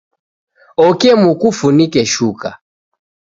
Oke mufunike shuka